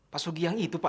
pak sugi yang itu pak